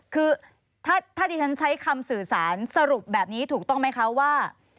คือถ้าที่ฉันใช้คำสื่อสารสรุปแบบนี้ถูกต้องไหมคะว่า